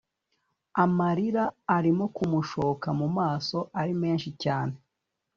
amarira arimo kumushoka mu maso ari menshi cyane